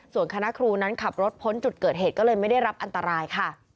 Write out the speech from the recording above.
ส่วนคณะครูนั้นขับรถพ้นจุดเกิดเหตุก็เลยไม่ได้รับอันตรายค่ะ